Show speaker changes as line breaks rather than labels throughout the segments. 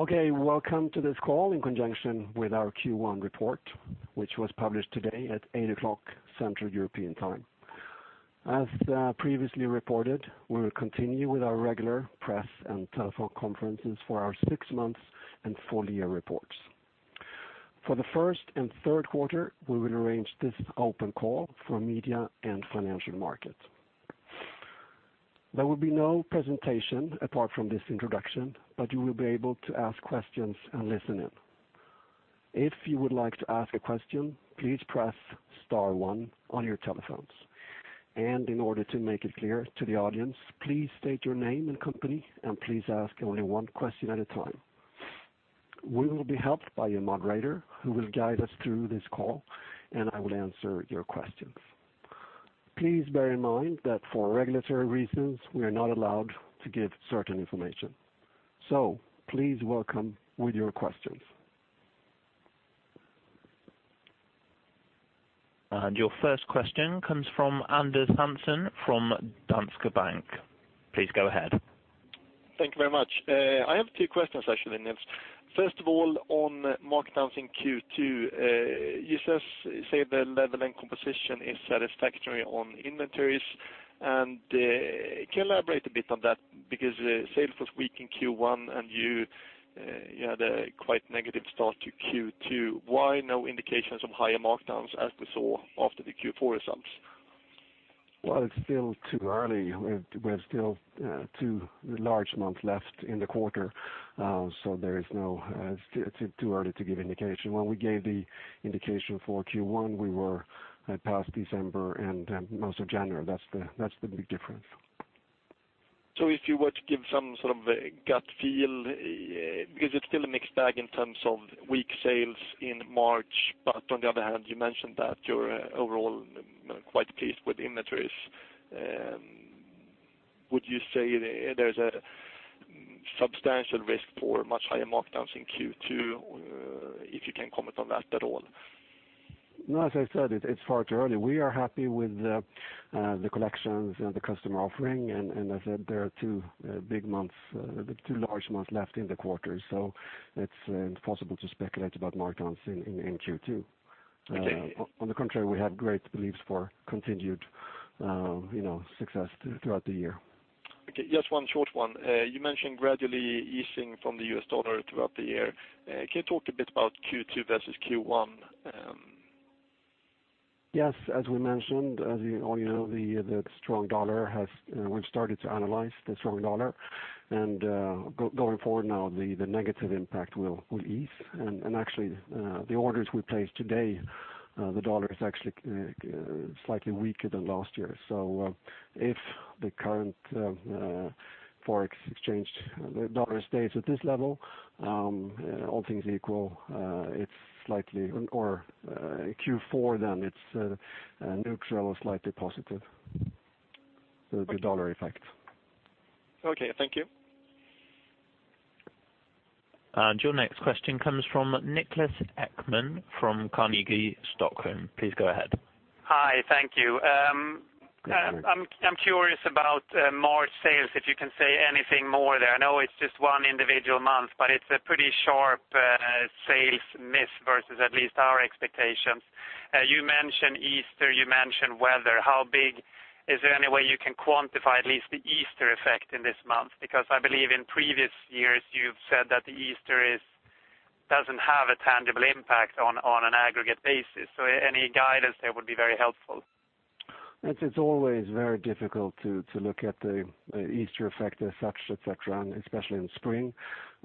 Okay, welcome to this call in conjunction with our Q1 report, which was published today at 8:00 A.M. Central European Time. As previously reported, we will continue with our regular press and telephone conferences for our six months and full year reports. For the first and third quarter, we will arrange this open call for media and financial markets. There will be no presentation apart from this introduction, but you will be able to ask questions and listen in. If you would like to ask a question, please press star one on your telephones. In order to make it clear to the audience, please state your name and company, and please ask only one question at a time. We will be helped by a moderator who will guide us through this call, and I will answer your questions. Please bear in mind that for regulatory reasons, we are not allowed to give certain information. Please welcome with your questions.
Your first question comes from Anders Hansson from Danske Bank. Please go ahead.
Thank you very much. I have two questions, actually, Nils. First of all, on markdowns in Q2, you say the level and composition is satisfactory on inventories. Can you elaborate a bit on that? Because sales was weak in Q1 and you had a quite negative start to Q2. Why no indications of higher markdowns as we saw after the Q4 results?
Well, it's still too early. We have still two large months left in the quarter. It's too early to give indication. When we gave the indication for Q1, we were past December and most of January. That's the big difference.
If you were to give some sort of a gut feel, because it's still a mixed bag in terms of weak sales in March, but on the other hand, you mentioned that you're overall quite pleased with inventories. Would you say there's a substantial risk for much higher markdowns in Q2, if you can comment on that at all?
No, as I said, it's far too early. We are happy with the collections and the customer offering, and as I said, there are two large months left in the quarter. It's impossible to speculate about markdowns in Q2.
Okay.
On the contrary, we have great beliefs for continued success throughout the year.
Okay, just one short one. You mentioned gradually easing from the US dollar throughout the year. Can you talk a bit about Q2 versus Q1?
Yes, as we mentioned, as you all know, we've started to analyze the strong dollar, and going forward now, the negative impact will ease. Actually, the orders we place today, the dollar is actually slightly weaker than last year. If the current forex exchange, the dollar stays at this level all things equal or Q4, then it's neutral or slightly positive, the dollar effect.
Okay, thank you.
Your next question comes from Niklas Ekman from Carnegie Stockholm. Please go ahead.
Hi. Thank you.
Good morning.
I'm curious about March sales, if you can say anything more there. I know it's just one individual month, but it's a pretty sharp sales miss versus at least our expectations. You mentioned Easter, you mentioned weather. Is there any way you can quantify at least the Easter effect in this month? Because I believe in previous years you've said that Easter doesn't have a tangible impact on an aggregate basis. Any guidance there would be very helpful.
It's always very difficult to look at the Easter effect as such, et cetera, especially in spring.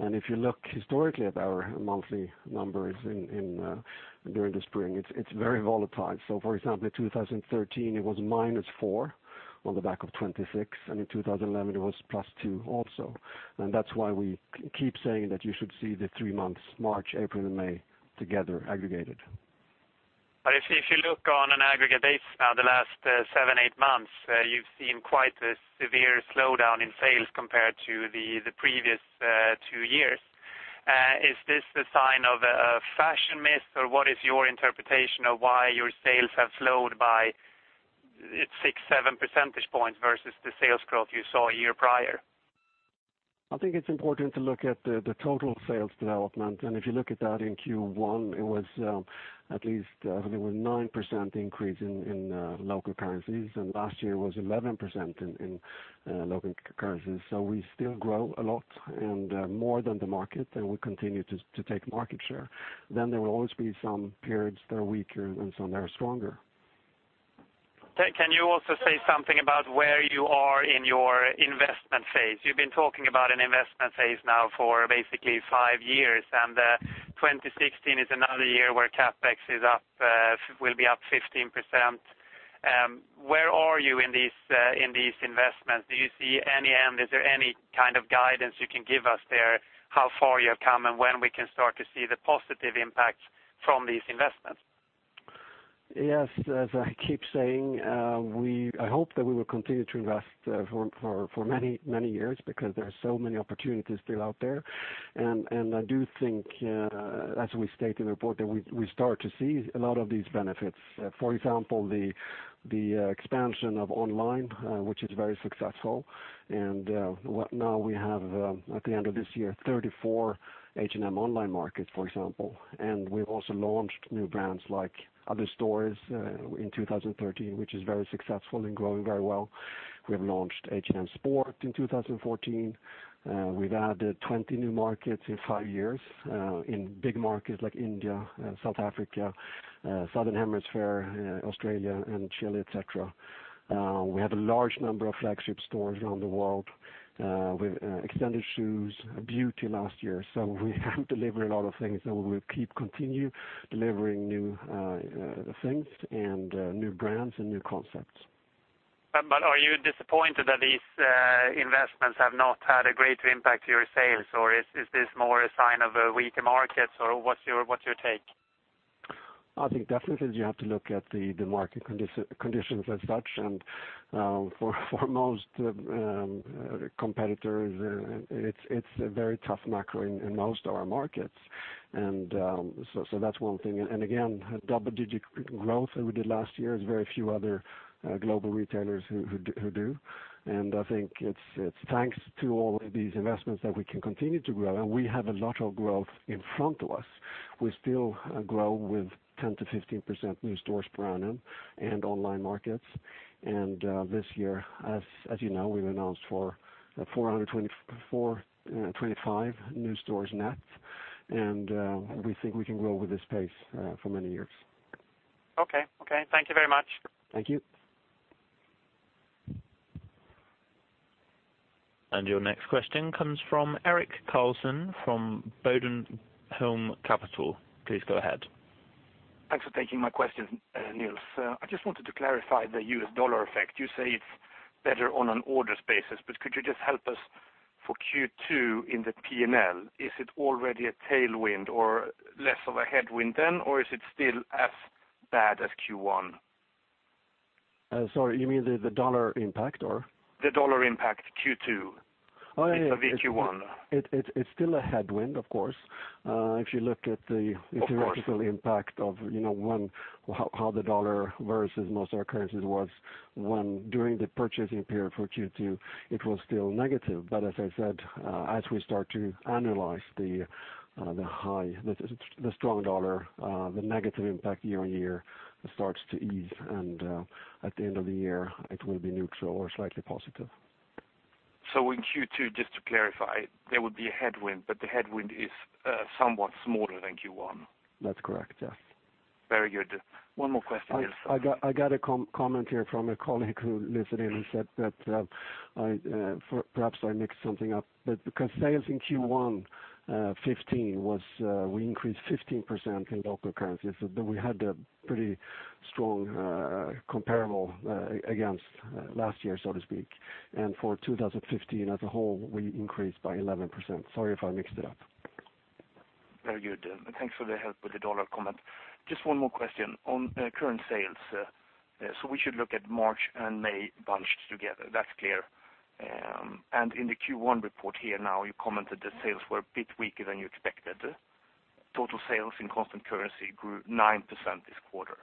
If you look historically at our monthly numbers during the spring, it's very volatile. For example, in 2013 it was -4% on the back of 26%, and in 2011 it was +2% also. That's why we keep saying that you should see the three months, March, April, and May, together aggregated.
If you look on an aggregate basis now, the last 7, 8 months, you've seen quite a severe slowdown in sales compared to the previous 2 years. Is this a sign of a fashion miss, or what is your interpretation of why your sales have slowed by 6, 7 percentage points versus the sales growth you saw a year prior?
I think it's important to look at the total sales development. If you look at that in Q1, it was at least, I think it was 9% increase in local currencies. Last year was 11% in local currencies. We still grow a lot and more than the market, and we continue to take market share. There will always be some periods that are weaker and some that are stronger.
Can you also say something about where you are in your investment phase? You've been talking about an investment phase now for basically 5 years. 2016 is another year where CapEx will be up 15%. Where are you in these investments? Do you see any end? Is there any kind of guidance you can give us there, how far you have come and when we can start to see the positive impact from these investments?
Yes. As I keep saying, I hope that we will continue to invest for many years because there are so many opportunities still out there. I do think, as we state in the report, that we start to see a lot of these benefits. For example, the expansion of online, which is very successful. Now we have, at the end of this year, 34 H&M online markets, for example. We've also launched new brands like & Other Stories in 2013, which is very successful and growing very well. We've launched H&M Sport in 2014. We've added 20 new markets in 5 years, in big markets like India, South Africa, Southern Hemisphere, Australia, and Chile, et cetera. We have a large number of flagship stores around the world. We've extended shoes, beauty last year. We have delivered a lot of things, and we'll keep continuing delivering new things and new brands and new concepts.
Are you disappointed that these investments have not had a greater impact to your sales, or is this more a sign of a weaker market, or what's your take?
I think definitely you have to look at the market conditions as such, and for most competitors, it's a very tough macro in most of our markets. That's one thing, and again, double-digit growth that we did last year, there's very few other global retailers who do. I think it's thanks to all these investments that we can continue to grow, and we have a lot of growth in front of us. We still grow with 10%-15% new stores per annum in online markets. This year, as you know, we've announced for 425 new stores net, and we think we can grow with this pace for many years.
Okay. Thank you very much.
Thank you.
Your next question comes from Erik Karlsson, from Bodenholm Capital. Please go ahead.
Thanks for taking my question, Nils. I just wanted to clarify the US dollar effect. You say it's better on an orders basis, but could you just help us for Q2 in the P&L. Is it already a tailwind or less of a headwind then, or is it still as bad as Q1?
Sorry, you mean the dollar impact or?
The dollar impact, Q2-
Oh, yeah.
If a Q1.
It's still a headwind, of course. If you look at the-
Of course.
theoretical impact of how the US dollar versus most other currencies was when, during the purchasing period for Q2, it was still negative. As I said, as we start to analyze the strong dollar, the negative impact year-on-year starts to ease, and at the end of the year, it will be neutral or slightly positive.
In Q2, just to clarify, there would be a headwind, the headwind is somewhat smaller than Q1.
That's correct, yes.
Very good. One more question.
I got a comment here from a colleague who listened in who said that perhaps I mixed something up. Because sales in Q1 2015, we increased 15% in local currency, so we had a pretty strong comparable against last year, so to speak. For 2015 as a whole, we increased by 11%. Sorry if I mixed it up.
Very good. Thanks for the help with the dollar comment. Just one more question on current sales. We should look at March and May bunched together. That's clear. In the Q1 report here now, you commented that sales were a bit weaker than you expected. Total sales in constant currency grew 9% this quarter.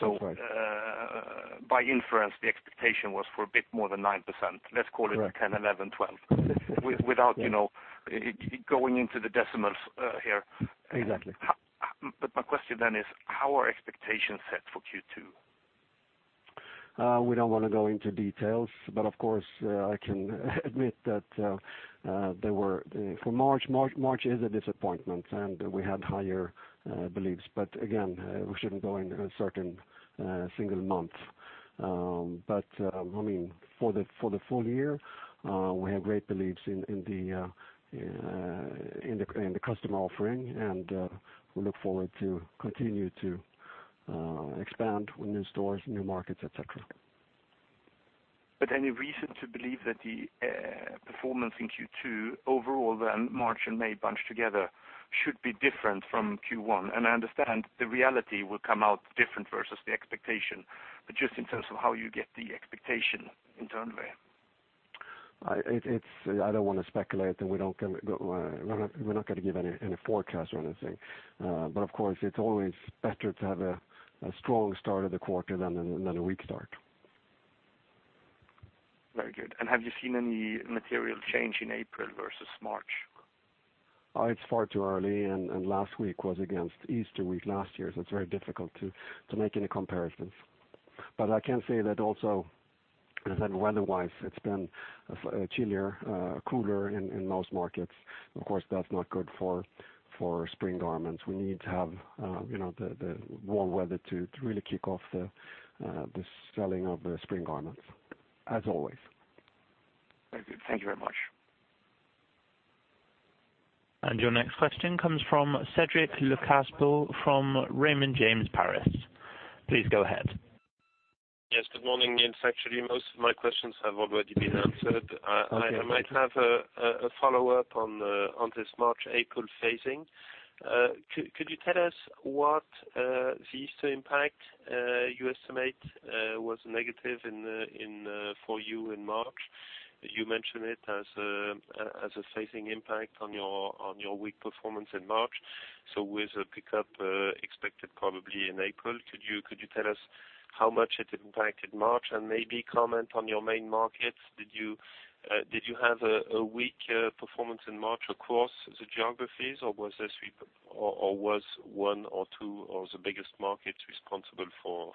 That's right.
By inference, the expectation was for a bit more than 9%. Let's call it-
Right
10, 11, 12. Without going into the decimals here.
Exactly.
My question then is, how are expectations set for Q2?
We don't want to go into details, but of course, I can admit that for March is a disappointment, and we had higher beliefs. Again, we shouldn't go into a certain single month. For the full year, we have great beliefs in the customer offering, and we look forward to continue to expand with new stores, new markets, et cetera.
Any reason to believe that the performance in Q2 overall, then March and May bunched together, should be different from Q1? I understand the reality will come out different versus the expectation, but just in terms of how you get the expectation internally.
I don't want to speculate, and we're not going to give any forecast or anything. Of course, it's always better to have a strong start of the quarter than a weak start.
Very good. Have you seen any material change in April versus March?
It's far too early, and last week was against Easter week last year, so it's very difficult to make any comparisons. I can say that also, as in weather-wise, it's been chillier, cooler in most markets. Of course, that's not good for spring garments. We need to have the warm weather to really kick off the selling of the spring garments as always.
Very good. Thank you very much.
Your next question comes from Cédric Le Cassar from Raymond James Paris. Please go ahead.
Yes, good morning, Nils. Actually, most of my questions have already been answered.
Okay.
I might have a follow-up on this March-April phasing. Could you tell us what the Easter impact you estimate was negative for you in March? You mentioned it as facing impact on your weak performance in March. With a pickup expected probably in April, could you tell us how much it impacted March and maybe comment on your main markets? Did you have a weak performance in March across the geographies, or was one or two of the biggest markets responsible for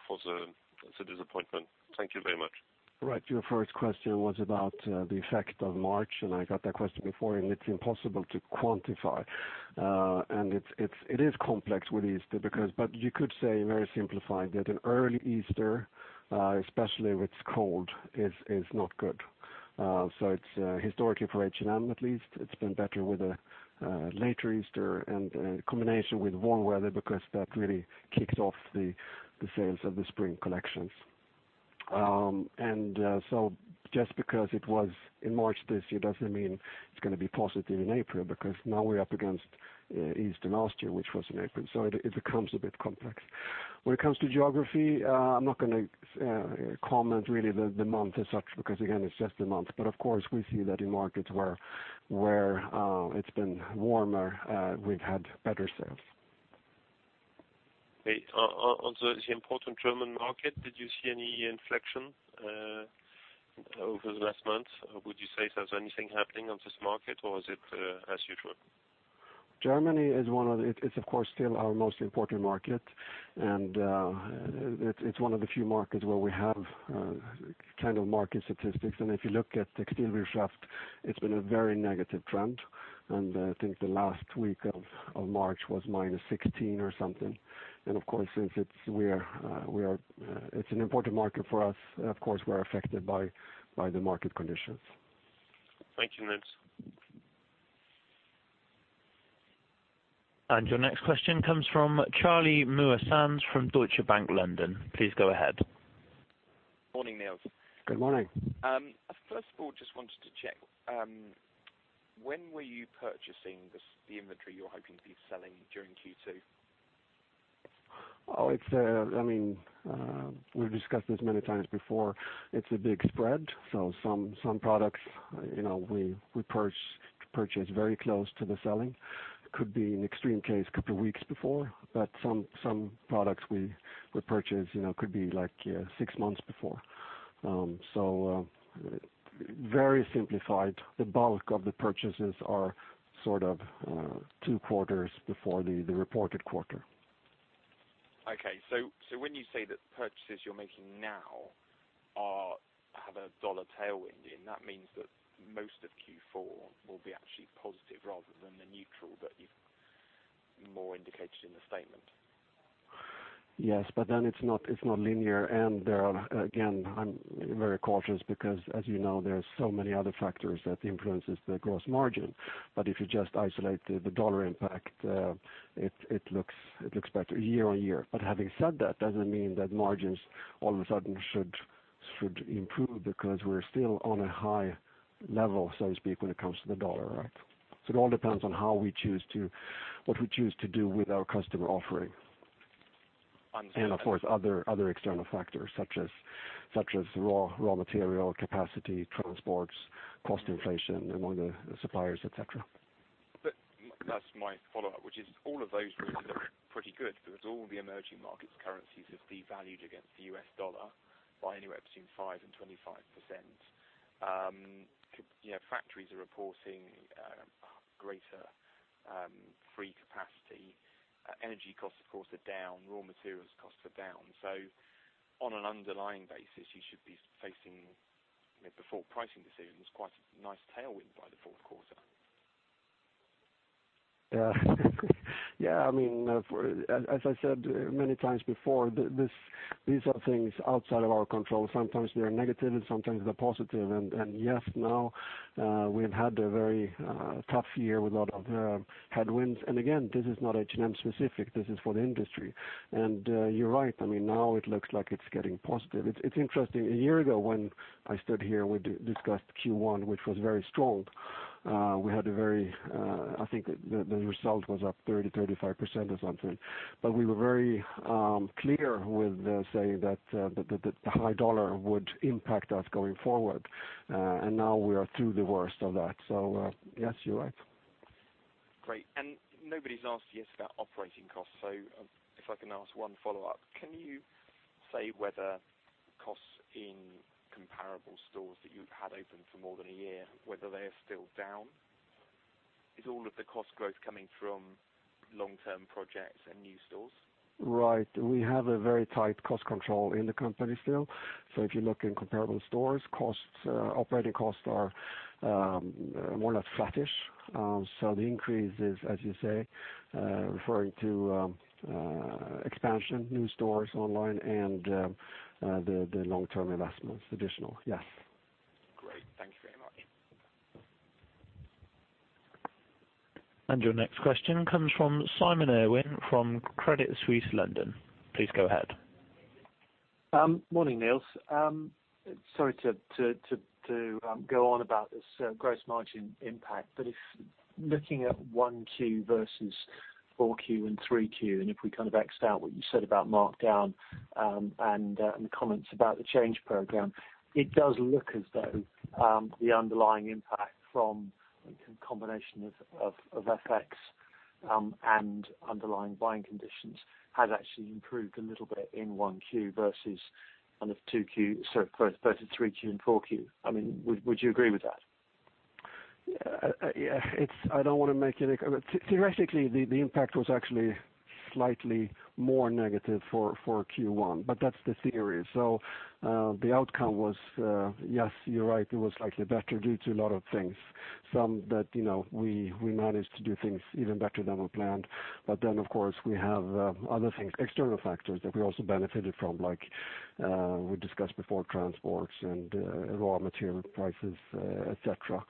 the disappointment? Thank you very much.
Right. Your first question was about the effect of March, and I got that question before, and it's impossible to quantify. It is complex with Easter, but you could say, very simplified, that an early Easter, especially if it's cold, is not good. Historically, for H&M at least, it's been better with a later Easter and combination with warm weather because that really kicks off the sales of the spring collections. Just because it was in March this year doesn't mean it's going to be positive in April, because now we're up against Easter last year, which was in April. It becomes a bit complex. When it comes to geography, I'm not going to comment really the month as such, because again, it's just a month. Of course, we see that in markets where it's been warmer, we've had better sales.
On the important German market, did you see any inflection over the last month? Would you say there's anything happening on this market, or is it as usual?
Germany it's, of course, still our most important market, and it's one of the few markets where we have market statistics. If you look at the textile industry, it's been a very negative trend. I think the last week of March was -16 or something. Of course, since it's an important market for us, of course, we're affected by the market conditions.
Thank you, Nils.
Your next question comes from Charlie Mouazans from Deutsche Bank, London. Please go ahead.
Morning, Nils.
Good morning.
First of all, just wanted to check, when were you purchasing the inventory you're hoping to be selling during Q2?
We've discussed this many times before. It's a big spread. Some products, we purchase very close to the selling. Could be, in extreme case, a couple of weeks before, but some products we purchase could be six months before. Very simplified, the bulk of the purchases are two quarters before the reported quarter.
Okay. When you say that purchases you're making now have a dollar tailwind in, that means that most of Q4 will be actually positive rather than the neutral that you've more indicated in the statement.
Yes, it's not linear. There are, again, I'm very cautious because, as you know, there are so many other factors that influences the gross margin. If you just isolate the dollar impact, it looks better year-on-year. Having said that, doesn't mean that margins all of a sudden should improve because we're still on a high level, so to speak, when it comes to the dollar. It all depends on what we choose to do with our customer offering.
Understood.
Of course, other external factors such as raw material, capacity, transports, cost inflation among the suppliers, et cetera.
That's my follow-up, which is all of those look pretty good because all the emerging markets currencies have devalued against the US dollar by anywhere between 5% and 25%. Factories are reporting greater free capacity. Energy costs, of course, are down. Raw materials costs are down. On an underlying basis, you should be facing, before pricing decisions, quite a nice tailwind by the fourth quarter.
As I said many times before, these are things outside of our control. Sometimes they are negative, and sometimes they're positive. Yes, now we've had a very tough year with a lot of headwinds. Again, this is not H&M-specific. This is for the industry. You're right. Now it looks like it's getting positive. It's interesting. A year ago, when I stood here, we discussed Q1, which was very strong. I think the result was up 30%, 35% or something. We were very clear with saying that the high dollar would impact us going forward. Now we are through the worst of that. Yes, you're right.
Great. Nobody's asked you about operating costs. If I can ask one follow-up, can you say whether costs in comparable stores that you've had open for more than a year, whether they are still down? Is all of the cost growth coming from long-term projects and new stores?
Right. We have a very tight cost control in the company still. If you look in comparable stores, operating costs are more or less flattish. The increase is, as you say, referring to expansion, new stores online, and the long-term investments, additional, Yes.
Great. Thank you very much.
Your next question comes from Simon Irwin from Credit Suisse, London. Please go ahead.
Morning, Nils. Sorry to go on about this gross margin impact, looking at 1Q versus 4Q and 3Q, if we kind of X out what you said about markdown and the comments about the change program, it does look as though the underlying impact from a combination of FX and underlying buying conditions has actually improved a little bit in 1Q versus 3Q and 4Q. Would you agree with that?
Theoretically, the impact was actually slightly more negative for Q1, but that's the theory. The outcome was, yes, you're right, it was likely better due to a lot of things. Some that we managed to do things even better than we planned. Of course, we have other things, external factors that we also benefited from, like we discussed before, transports and raw material prices, et cetera.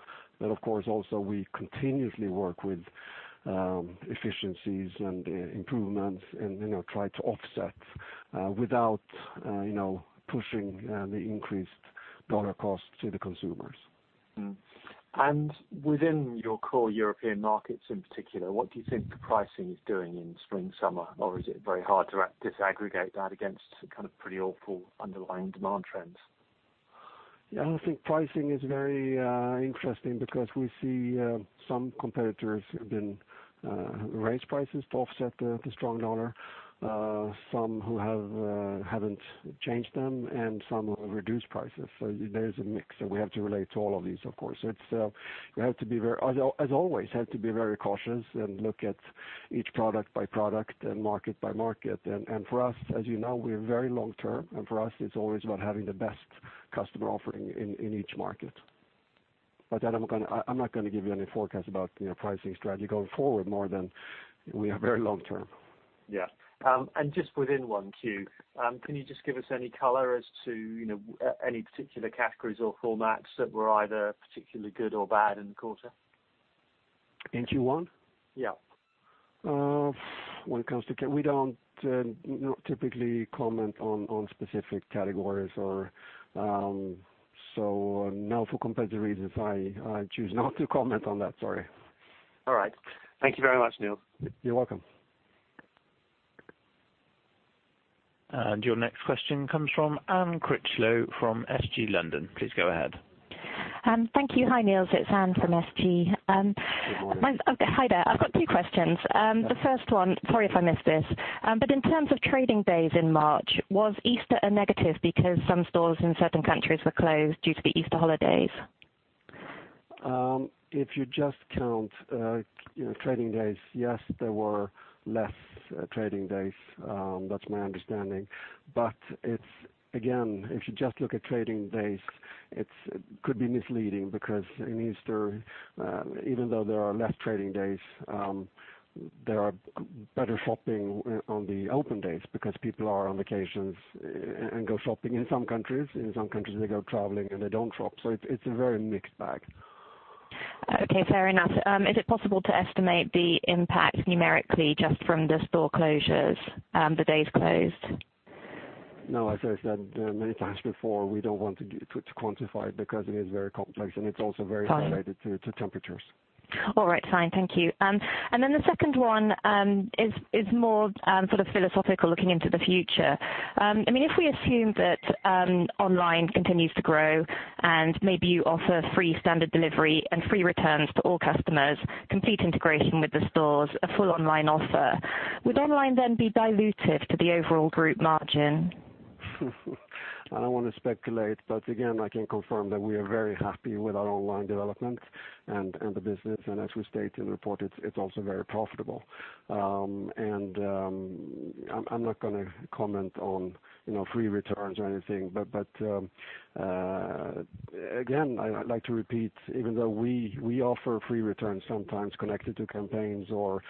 Of course, also we continuously work with efficiencies and improvements and try to offset without pushing the increased dollar cost to the consumers.
Within your core European markets in particular, what do you think the pricing is doing in spring/summer, or is it very hard to disaggregate that against pretty awful underlying demand trends?
I think pricing is very interesting because we see some competitors who have raised prices to offset the strong dollar, some who haven't changed them, and some who have reduced prices. There's a mix, and we have to relate to all of these, of course. As always, we have to be very cautious and look at each product by product and market by market. For us, as you know, we are very long-term, and for us, it's always about having the best customer offering in each market. I'm not going to give you any forecast about pricing strategy going forward more than we are very long-term.
Just within 1Q, can you just give us any color as to any particular categories or formats that were either particularly good or bad in the quarter?
In Q1?
Yeah.
We don't typically comment on specific categories. Now for competitive reasons, I choose not to comment on that, sorry.
All right. Thank you very much, Nils.
You're welcome.
Your next question comes from Anne Critchlow from SG London. Please go ahead.
Thank you. Hi, Nils, it's Anne from SG.
Good morning.
Hi there. I've got two questions. The first one, sorry if I missed this, in terms of trading days in March, was Easter a negative because some stores in certain countries were closed due to the Easter holidays?
If you just count trading days, yes, there were less trading days. That's my understanding. Again, if you just look at trading days, it could be misleading because in Easter, even though there are less trading days, there are better shopping on the open days because people are on vacations and go shopping in some countries. In some countries, they go traveling, and they don't shop. It's a very mixed bag.
Okay, fair enough. Is it possible to estimate the impact numerically just from the store closures, the days closed?
No, as I said many times before, we don't want to quantify it because it is very complex, and it's also very related to temperatures.
All right, fine. Thank you. Then the second one is more philosophical, looking into the future. If we assume that online continues to grow and maybe you offer free standard delivery and free returns to all customers, complete integration with the stores, a full online offer, would online then be dilutive to the overall group margin?
I don't want to speculate, again, I can confirm that we are very happy with our online development and the business. As we state in the report, it's also very profitable. I'm not going to comment on free returns or anything, again, I'd like to repeat, even though we offer free returns sometimes connected to campaigns or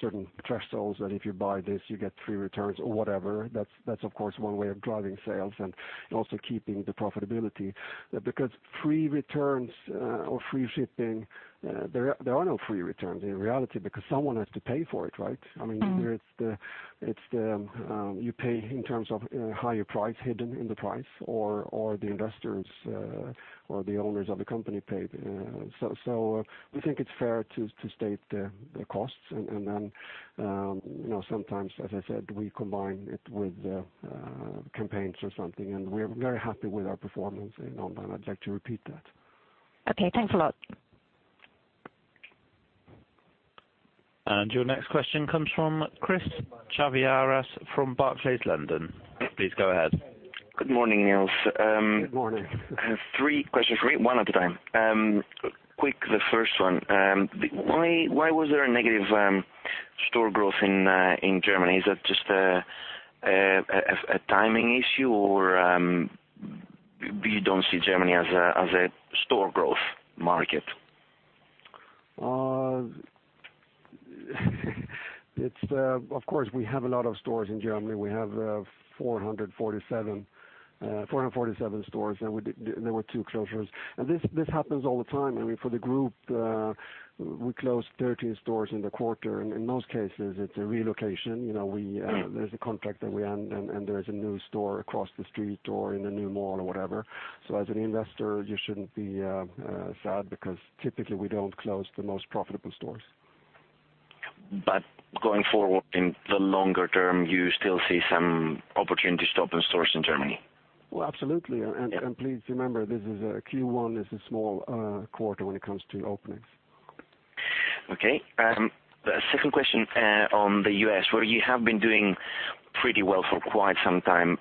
certain thresholds that if you buy this, you get free returns or whatever. That's of course one way of driving sales and also keeping the profitability. Free returns or free shipping, there are no free returns in reality because someone has to pay for it, right? You pay in terms of a higher price hidden in the price, or the investors or the owners of the company pay. We think it's fair to state the costs, and then sometimes, as I said, we combine it with campaigns or something. We are very happy with our performance in online. I'd like to repeat that.
Okay. Thanks a lot.
Your next question comes from Christodoulos Chaviaras from Barclays London. Please go ahead.
Good morning, Nils.
Good morning.
I have three questions for you, one at a time. Quick, the first one. Why was there a negative store growth in Germany? Is that just a timing issue, or you don't see Germany as a store growth market?
Of course, we have a lot of stores in Germany. We have 447 stores, and there were two closures. This happens all the time. For the group, we closed 13 stores in the quarter. In most cases, it's a relocation. There's a contract that we end, and there is a new store across the street or in a new mall or whatever. As an investor, you shouldn't be sad because typically we don't close the most profitable stores.
Going forward in the longer term, you still see some opportunities to open stores in Germany?
Well, absolutely.
Yeah.
Please remember, Q1 is a small quarter when it comes to openings.
Okay. Second question on the U.S., where you have been doing pretty well for quite some time.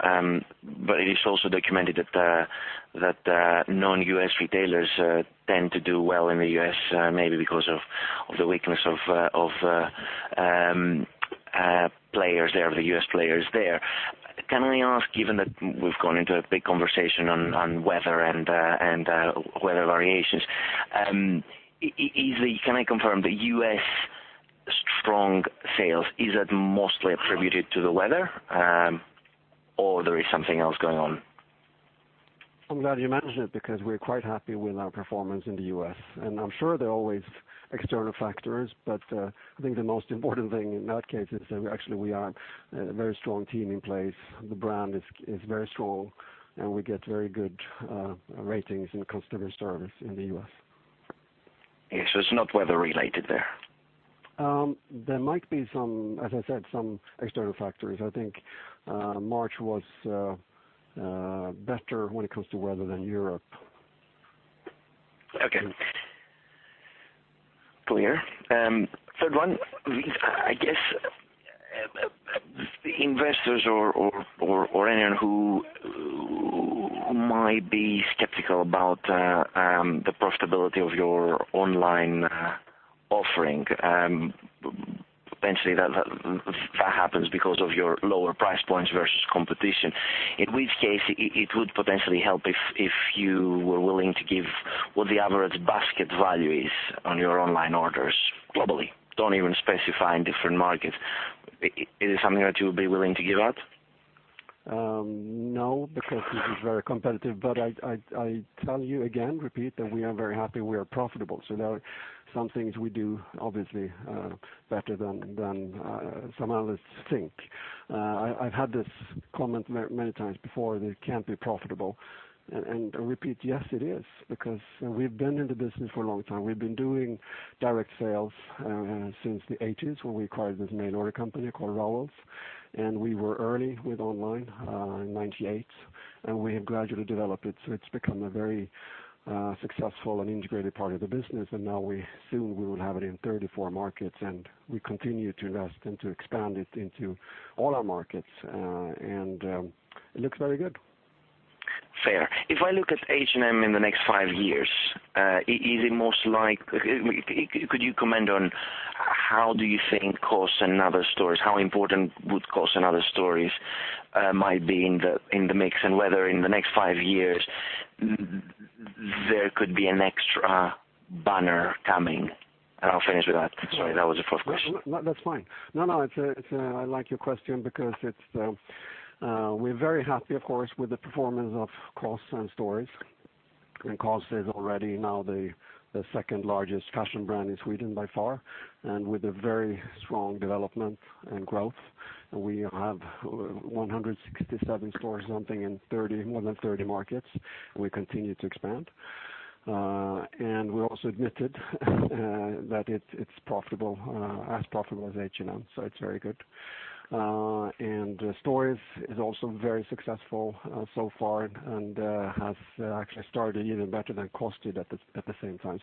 It is also documented that non-U.S. retailers tend to do well in the U.S., maybe because of the weakness of the U.S. players there. Can I ask, given that we've gone into a big conversation on weather and weather variations, can I confirm the U.S. strong sales, is that mostly attributed to the weather? Or there is something else going on?
I'm glad you mentioned it, because we're quite happy with our performance in the U.S. I'm sure there are always external factors, but I think the most important thing in that case is that actually we are a very strong team in place. The brand is very strong, and we get very good ratings in customer service in the U.S.
It's not weather related there?
There might be some, as I said, some external factors. I think March was better when it comes to weather than Europe.
Okay. Clear. Third one: I guess, investors or anyone who might be skeptical about the profitability of your online offering, potentially that happens because of your lower price points versus competition. In which case, it would potentially help if you were willing to give what the average basket value is on your online orders globally, don't even specify in different markets. Is it something that you would be willing to give out?
No, because this is very competitive. I tell you again, repeat, that we are very happy we are profitable. There are some things we do obviously better than some analysts think. I've had this comment many times before, that it can't be profitable. I repeat, yes, it is, because we've been in the business for a long time. We've been doing direct sales since the '80s, when we acquired this mail order company called Rowells. We were early with online, in '98. We have gradually developed it, so it's become a very successful and integrated part of the business. Now soon we will have it in 34 markets, and we continue to invest and to expand it into all our markets. It looks very good.
Fair. If I look at H&M in the next five years, could you comment on how do you think COS and & Other Stories, how important would COS and & Other Stories might be in the mix, and whether in the next five years there could be an extra banner coming? I'll finish with that. Sorry, that was the fourth question.
That's fine. I like your question because we're very happy, of course, with the performance of COS and Stories. COS is already now the second largest fashion brand in Sweden by far. With a very strong development and growth. We have 167 stores, something in more than 30 markets. We continue to expand. We also admitted that it's profitable, as profitable as H&M, so it's very good. Stories is also very successful so far and has actually started even better than COS did at the same time.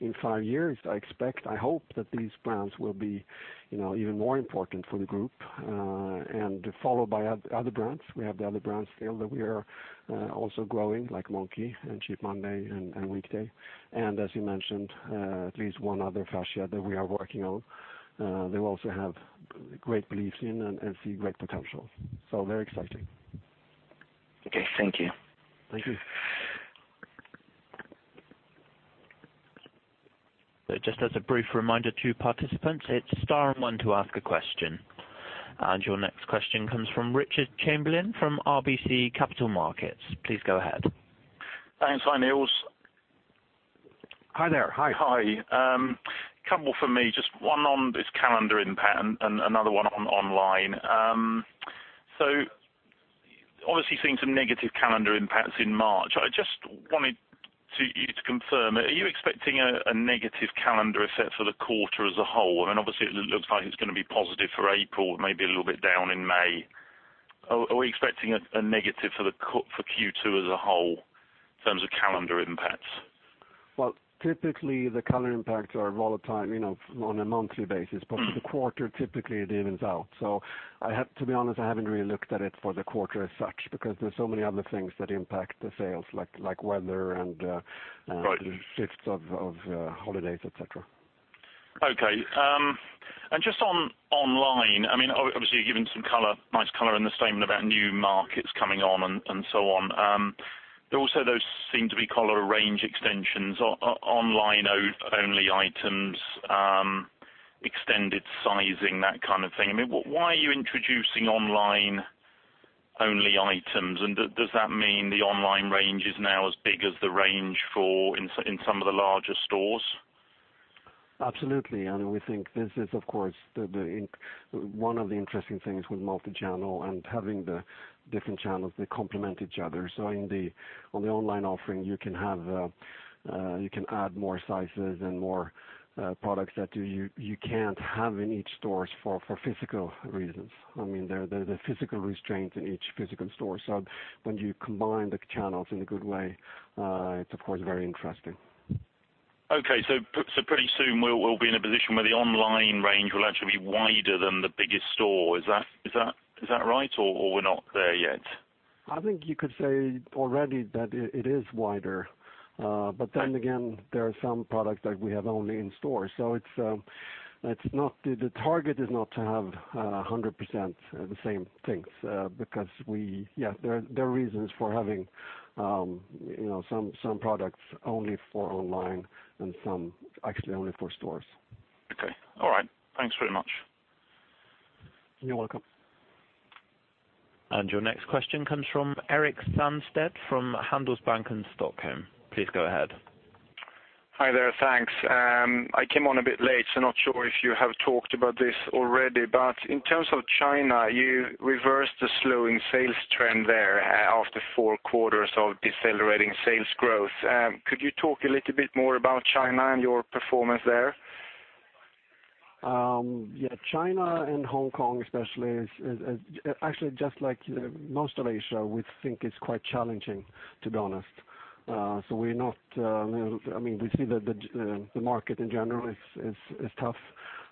In five years, I expect, I hope, that these brands will be even more important for the group. Followed by other brands. We have the other brands still that we are also growing, like Monki and Cheap Monday and Weekday. As you mentioned, at least one other fascia that we are working on. They also have great beliefs in and see great potential. Very exciting.
Okay. Thank you.
Thank you.
Just as a brief reminder to participants, it's star and one to ask a question. Your next question comes from Richard Chamberlain from RBC Capital Markets. Please go ahead.
Thanks. Hi, Nils.
Hi there. Hi.
Hi. Couple from me, just one on this calendar impact and another one on online. Obviously seeing some negative calendar impacts in March, I just wanted you to confirm, are you expecting a negative calendar effect for the quarter as a whole? I mean, obviously it looks like it's going to be positive for April, maybe a little bit down in May. Are we expecting a negative for Q2 as a whole in terms of calendar impacts?
Well, typically the calendar impacts are volatile on a monthly basis. For the quarter, typically it evens out. To be honest, I haven't really looked at it for the quarter as such, because there are so many other things that impact the sales, like weather.
Right
shifts of holidays, et cetera.
Okay. Just on online, obviously you've given some nice color in the statement about new markets coming on and so on. Also, those seem to be color range extensions, online-only items, extended sizing, that kind of thing. Why are you introducing online-only items, and does that mean the online range is now as big as the range in some of the larger stores?
Absolutely. We think this is, of course, one of the interesting things with multi-channel and having the different channels they complement each other. On the online offering, you can add more sizes and more products that you can't have in each store for physical reasons. There are physical restraints in each physical store. When you combine the channels in a good way, it's of course, very interesting.
Okay. Pretty soon we'll be in a position where the online range will actually be wider than the biggest store. Is that right or we're not there yet?
I think you could say already that it is wider. Again, there are some products that we have only in store. The target is not to have 100% the same things, because there are reasons for having some products only for online and some actually only for stores.
Okay. All right. Thanks very much.
You're welcome.
Your next question comes from Erik Sandstedt, from Handelsbanken Stockholm. Please go ahead.
Hi there. Thanks. I came on a bit late, so not sure if you have talked about this already. In terms of China, you reversed the slowing sales trend there after four quarters of decelerating sales growth. Could you talk a little bit more about China and your performance there?
Yeah. China and Hong Kong especially, actually just like most of Asia, we think it's quite challenging, to be honest. We see that the market in general is tough.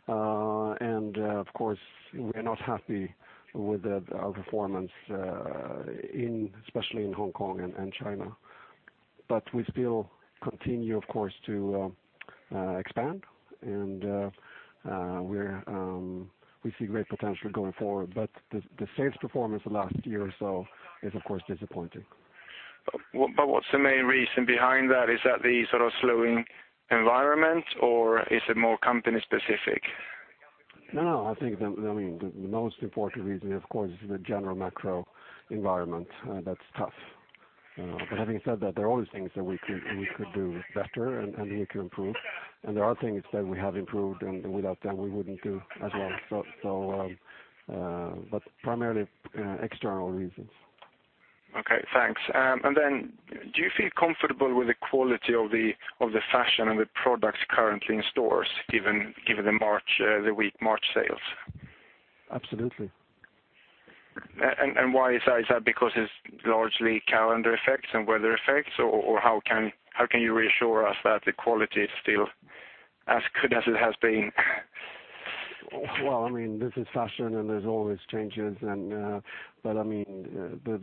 Of course, we are not happy with our performance, especially in Hong Kong and China. We still continue, of course, to expand. We see great potential going forward. The sales performance the last year or so is, of course, disappointing.
What's the main reason behind that? Is that the sort of slowing environment or is it more company specific?
No, I think, the most important reason, of course, is the general macro environment that's tough. Having said that, there are always things that we could do better and we could improve, and there are things that we have improved and without them we wouldn't do as well. Primarily, external reasons.
Okay, thanks. Then do you feel comfortable with the quality of the fashion and the products currently in stores, given the weak March sales?
Absolutely.
Why is that? Is that because it's largely calendar effects and weather effects? How can you reassure us that the quality is still as good as it has been?
Well, this is fashion and there's always changes. The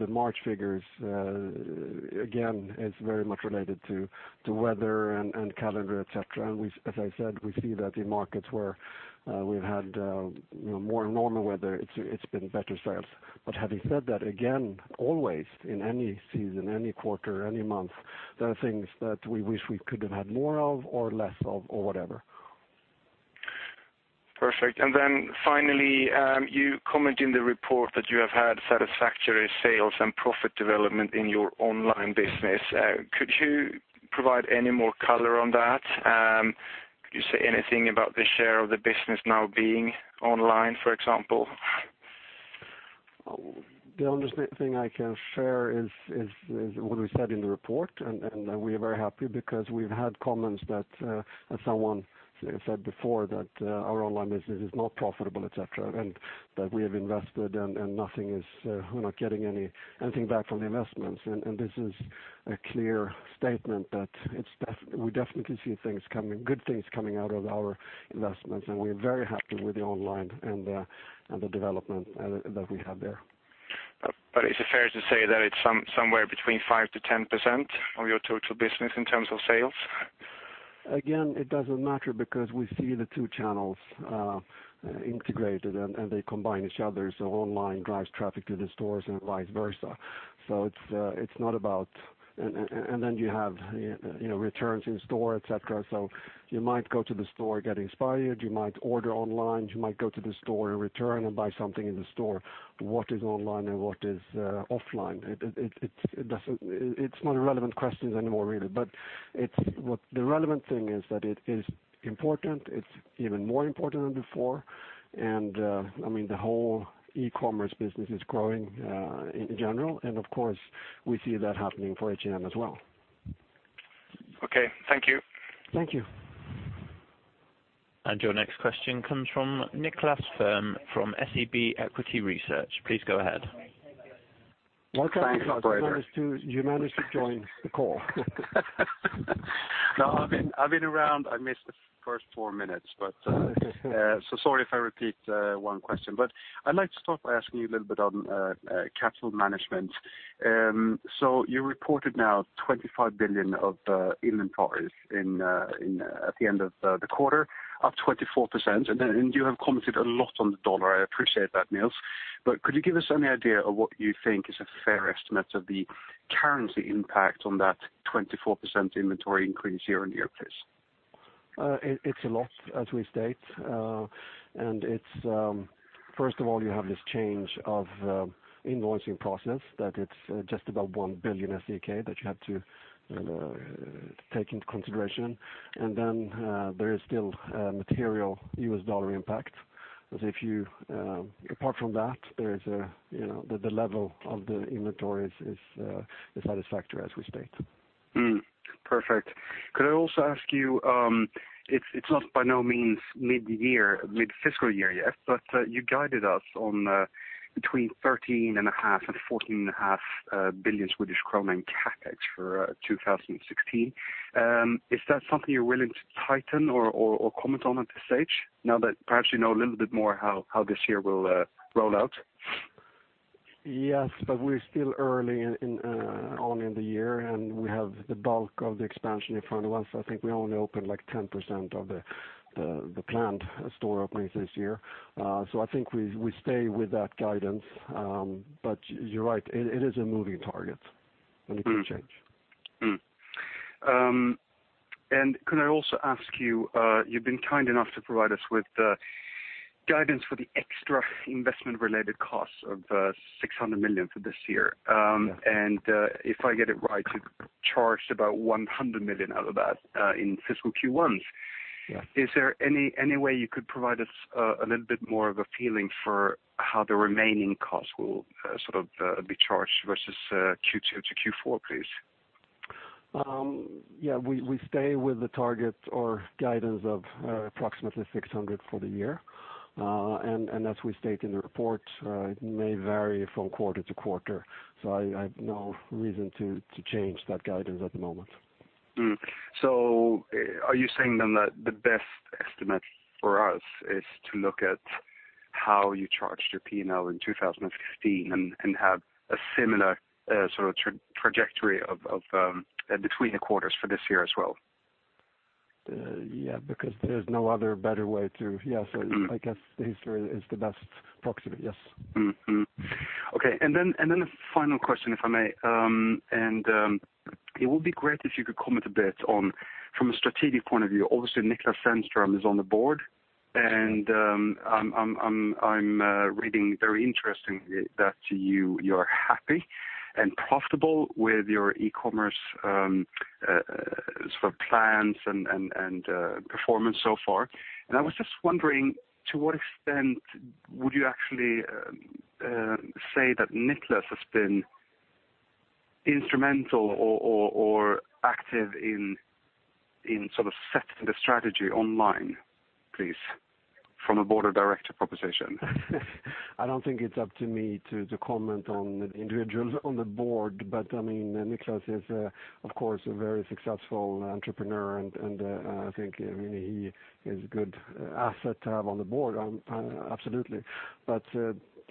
March figures, again, it's very much related to weather and calendar, et cetera. As I said, we see that in markets where we've had more normal weather, it's been better sales. Having said that, again, always in any season, any quarter or any month, there are things that we wish we could have had more of or less of or whatever.
Perfect. Then finally, you comment in the report that you have had satisfactory sales and profit development in your online business. Could you provide any more color on that? Could you say anything about the share of the business now being online, for example?
The only thing I can share is what we said in the report, we are very happy because we've had comments that, as someone said before, that our online business is not profitable, et cetera, that we have invested and we're not getting anything back from the investments. This is a clear statement that we definitely see good things coming out of our investments and we are very happy with the online and the development that we have there.
Is it fair to say that it's somewhere between 5%-10% of your total business in terms of sales?
It doesn't matter because we see the two channels integrated and they combine each other. Online drives traffic to the stores and vice versa. Then you have returns in store, et cetera. You might go to the store, get inspired, you might order online, you might go to the store and return and buy something in the store. What is online and what is offline? It is not a relevant question anymore really, but the relevant thing is that it is important. It is even more important than before. The whole e-commerce business is growing, in general. Of course, we see that happening for H&M as well.
Okay. Thank you.
Thank you.
Your next question comes from Niklas Ferm from SEB Equity Research. Please go ahead.
Welcome, Niklas. You managed to join the call.
No, I've been around. I missed the first four minutes, so sorry if I repeat one question. I'd like to start by asking you a little bit on capital management. You reported now 25 billion of inventories at the end of the quarter, up 24%. You have commented a lot on the U.S. dollar. I appreciate that, Nils. Could you give us any idea of what you think is a fair estimate of the currency impact on that 24% inventory increase year-over-year, please?
It's a lot, as we state. First of all, you have this change of invoicing process that it's just about 1 billion that you have to take into consideration. There is still a material U.S. dollar impact. Apart from that, the level of the inventory is satisfactory, as we state.
Perfect. Could I also ask you, it's not by no means mid-fiscal year yet, but you guided us on between 13.5 billion and 14.5 billion Swedish krona in CapEx for 2016. Is that something you're willing to tighten or comment on at this stage now that perhaps you know a little bit more how this year will roll out?
Yes. We're still early on in the year, and we have the bulk of the expansion in front of us. I think we only opened 10% of the planned store openings this year. I think we stay with that guidance. You're right, it is a moving target, and it can change.
Could I also ask you've been kind enough to provide us with guidance for the extra investment-related costs of 600 million for this year.
Yeah.
If I get it right, you charged about 100 million out of that in fiscal Q1.
Yes.
Is there any way you could provide us a little bit more of a feeling for how the remaining costs will be charged versus Q2 to Q4, please?
Yeah, we stay with the target or guidance of approximately 600 for the year. As we state in the report, it may vary from quarter to quarter. I have no reason to change that guidance at the moment.
Are you saying then that the best estimate for us is to look at how you charged your P&L in 2015 and have a similar sort of trajectory between the quarters for this year as well?
Yeah, because there's no other better way. Yes, I guess the history is the best proxy, yes.
Okay, the final question, if I may. It would be great if you could comment a bit on, from a strategic point of view, obviously Niklas Zennström is on the board, and I am reading very interestingly that you are happy and profitable with your e-commerce plans and performance so far. I was just wondering, to what extent would you actually say that Niklas has been instrumental or active in sort of setting the strategy online, please, from a board of director proposition?
I don't think it's up to me to comment on individuals on the board. Niklas is, of course, a very successful entrepreneur, and I think really he is a good asset to have on the board, absolutely.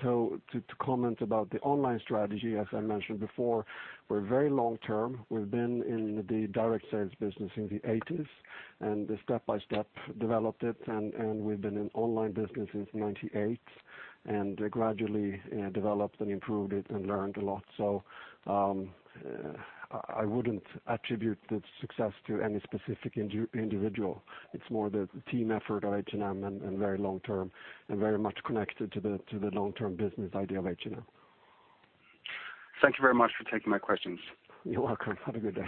To comment about the online strategy, as I mentioned before, we're very long-term. We've been in the direct sales business since the '80s, and step by step developed it, and we've been in online business since '98, and gradually developed and improved it and learned a lot. I wouldn't attribute the success to any specific individual. It's more the team effort of H&M and very long-term, and very much connected to the long-term business idea of H&M.
Thank you very much for taking my questions.
You're welcome. Have a good day.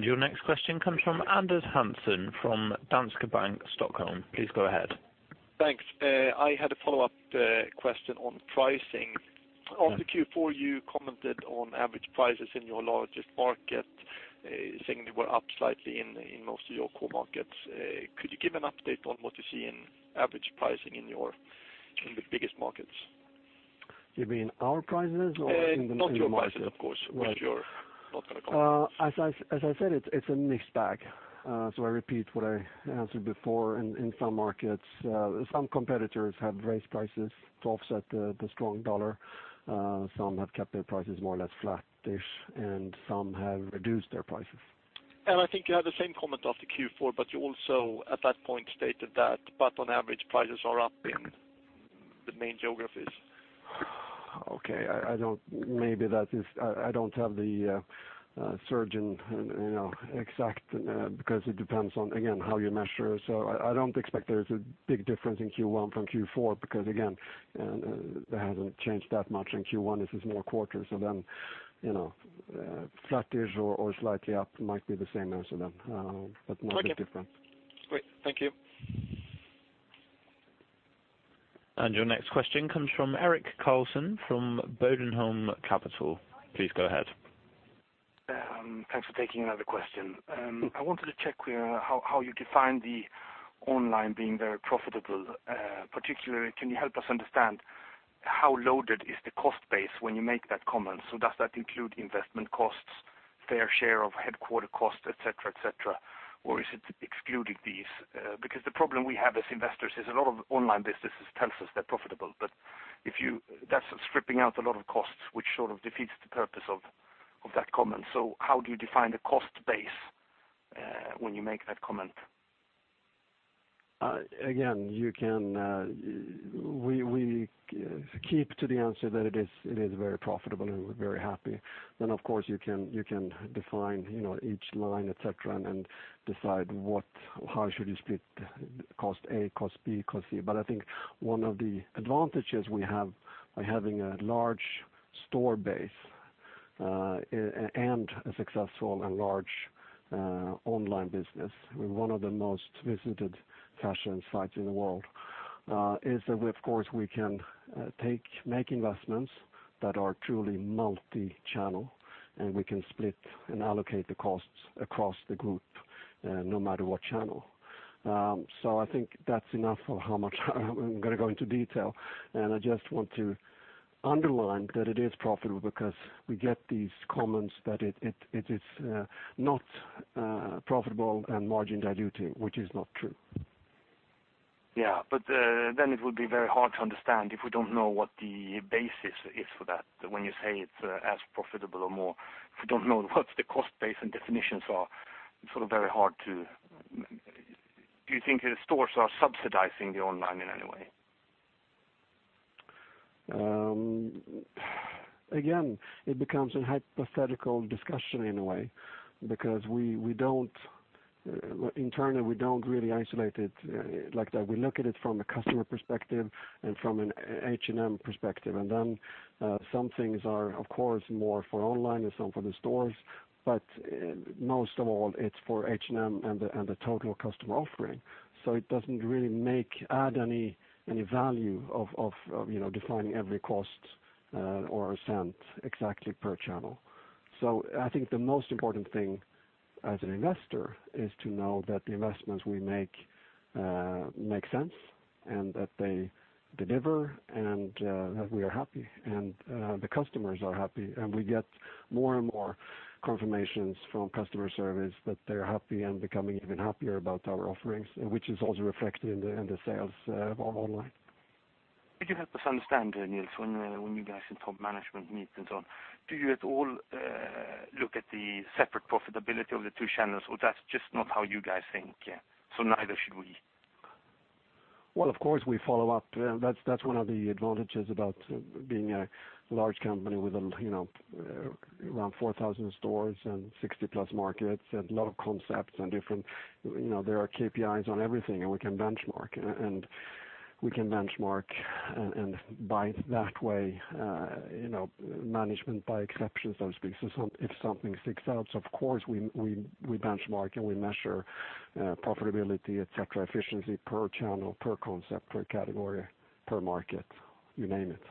Your next question comes from Anders Hansson from Danske Bank, Stockholm. Please go ahead.
Thanks. I had a follow-up question on pricing.
Yeah.
On the Q4, you commented on average prices in your largest market, saying they were up slightly in most of your core markets. Could you give an update on what you see in average pricing in the biggest markets?
You mean our prices or in the main market?
Not your prices, of course, which you're not going to comment.
As I said, it's a mixed bag. I repeat what I answered before. In some markets, some competitors have raised prices to offset the strong dollar. Some have kept their prices more or less flat-ish, some have reduced their prices.
I think you had the same comment after Q4, you also, at that point, stated that, on average, prices are up in the main geographies.
Okay. I don't have the sort of exact, because it depends on, again, how you measure. I don't expect there is a big difference in Q1 from Q4 because, again, that hasn't changed that much in Q1. This is more quarters, flat-ish or slightly up might be the same answer then, not a big difference.
Okay. Great. Thank you.
Your next question comes from Erik Karlsson from Bodenholm Capital. Please go ahead.
Thanks for taking another question. I wanted to check how you define the online being very profitable. Particularly, can you help us understand how loaded is the cost base when you make that comment? Does that include investment costs, fair share of headquarter costs, et cetera, or is it excluding these? The problem we have as investors is a lot of online businesses tell us they're profitable, but that's stripping out a lot of costs, which sort of defeats the purpose of that comment. How do you define the cost base when you make that comment?
Again, we keep to the answer that it is very profitable, and we're very happy. Of course, you can define each line, et cetera, and decide how should you split cost A, cost B, cost C. I think one of the advantages we have by having a large store base, and a successful and large online business. We're one of the most visited fashion sites in the world. Is that, of course, we can make investments that are truly multi-channel, and we can split and allocate the costs across the group, no matter what channel. I think that's enough of how much I'm going to go into detail, and I just want to underline that it is profitable because we get these comments that it is not profitable and margin diluting, which is not true.
Yeah. It would be very hard to understand if we don't know what the basis is for that. When you say it's as profitable or more, if we don't know what the cost base and definitions are, Do you think the stores are subsidizing the online in any way?
It becomes a hypothetical discussion in a way, because internally, we don't really isolate it like that. We look at it from a customer perspective and from an H&M perspective. Then some things are, of course, more for online and some for the stores. Most of all, it's for H&M and the total customer offering. It doesn't really add any value of defining every cost or cent exactly per channel. I think the most important thing as an investor is to know that the investments we make sense and that they deliver and that we are happy and the customers are happy. We get more and more confirmations from customer service that they're happy and becoming even happier about our offerings, which is also reflected in the sales online.
Could you help us understand, Nils, when you guys in top management meet and so on, do you at all look at the separate profitability of the two channels, or that's just not how you guys think, neither should we?
Well, of course, we follow up. That's one of the advantages about being a large company with around 4,000 stores and 60 plus markets and a lot of concepts and there are KPIs on everything, and we can benchmark. By that way, management by exception, so to speak. If something sticks out, of course, we benchmark and we measure profitability, et cetera, efficiency per channel, per concept, per category, per market, you name it.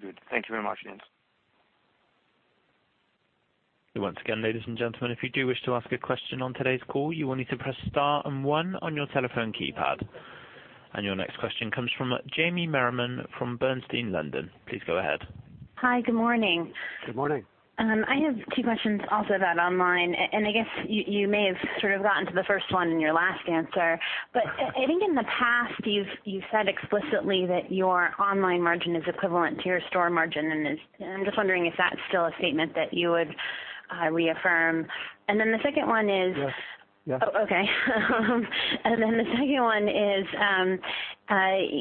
Good. Thank you very much, Nils.
Once again, ladies and gentlemen, if you do wish to ask a question on today's call, you will need to press star and one on your telephone keypad. Your next question comes from Jamie Merriman from Bernstein, London. Please go ahead.
Hi. Good morning.
Good morning.
I have two questions also about online. I guess you may have sort of gotten to the first one in your last answer. I think in the past you've said explicitly that your online margin is equivalent to your store margin, and I'm just wondering if that's still a statement that you would reaffirm. The second one is.
Yes.
Oh, okay. The second one is,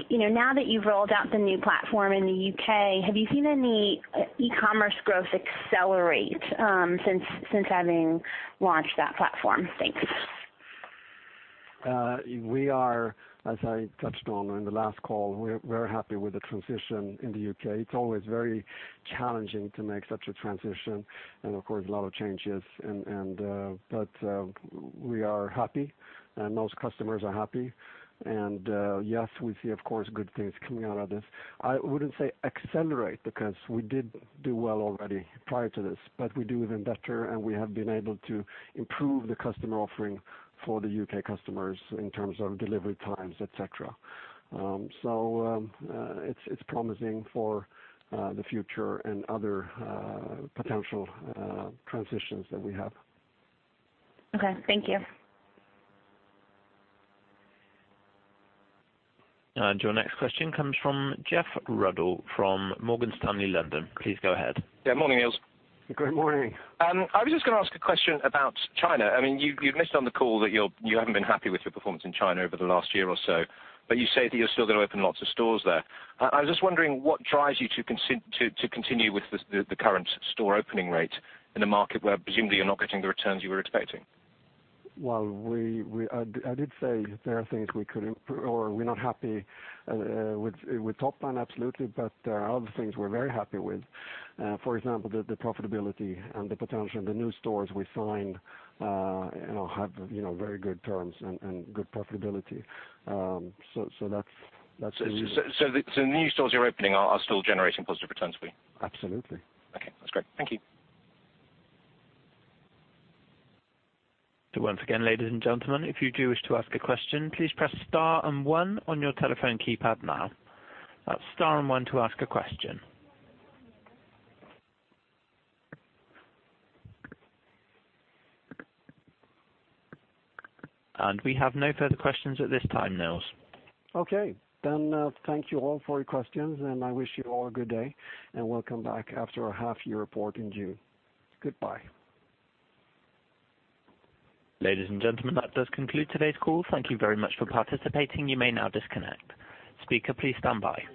now that you've rolled out the new platform in the U.K., have you seen any e-commerce growth accelerate since having launched that platform? Thanks.
We are, as I touched on in the last call, we're happy with the transition in the U.K. It's always very challenging to make such a transition, of course, a lot of changes. We are happy, and most customers are happy. Yes, we see, of course, good things coming out of this. I wouldn't say accelerate because we did do well already prior to this. We do even better, and we have been able to improve the customer offering for the U.K. customers in terms of delivery times, et cetera. It's promising for the future and other potential transitions that we have.
Okay. Thank you.
Your next question comes from Geoff Ruddell from Morgan Stanley, London. Please go ahead.
Morning, Nils.
Good morning.
I was just going to ask a question about China. You've mentioned on the call that you haven't been happy with your performance in China over the last year or so. You say that you're still going to open lots of stores there. I was just wondering what drives you to continue with the current store opening rate in a market where presumably you're not getting the returns you were expecting?
Well, I did say there are things we could improve or we're not happy with top line, absolutely. There are other things we're very happy with. For example, the profitability and the potential. The new stores we find have very good terms and good profitability.
The new stores you're opening are still generating positive returns for you?
Absolutely.
That's great. Thank you.
Once again, ladies and gentlemen, if you do wish to ask a question, please press star and one on your telephone keypad now. That's star and one to ask a question. We have no further questions at this time, Nils.
Thank you all for your questions, and I wish you all a good day, and welcome back after our half year report in June. Goodbye.
Ladies and gentlemen, that does conclude today's call. Thank you very much for participating. You may now disconnect. Speaker, please stand by.